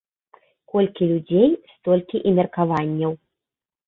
Колькі людзей, столькі і меркаванняў.